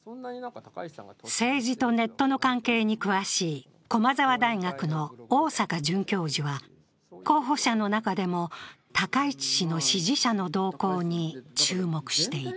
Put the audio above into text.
政治とネットの関係に詳しい駒澤大学の逢坂准教授は、候補者の中でも高市氏の支持者の動向に注目していた。